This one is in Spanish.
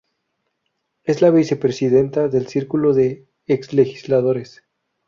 Es la vicepresidenta del Círculo de ex Legisladores.